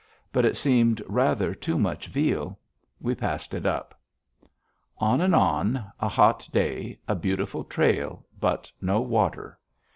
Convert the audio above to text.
But it seemed rather too much veal. We passed it up. On and on, a hot day, a beautiful trail, but no water.